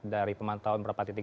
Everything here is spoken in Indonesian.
dari pemantauan berapa titik